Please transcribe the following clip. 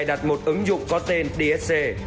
và cài đặt một ứng dụng có tên dsc